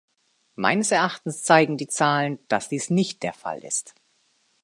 Meines Erachtens zeigen die Zahlen, dass dies nicht der Fall ist.